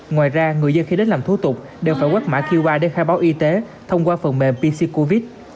ngoài ra người dân khi đến làm thủ tục đều phải quét mã qr để khai báo y tế thông qua phần mềm pc covid